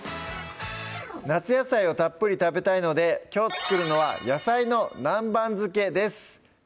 夏野菜をたっぷり食べたいのできょう作るのは「野菜の南蛮漬け」です